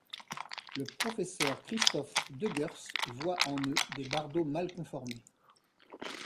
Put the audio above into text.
Le professeur christophe Degueurce voit en eux des bardeaux mal conformés.